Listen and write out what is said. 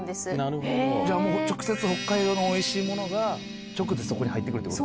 じゃあもう直接北海道のおいしいものが直でそこに入ってくるって事？